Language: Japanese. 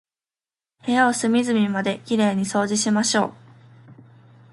部屋を隅々まで綺麗に掃除しましょう。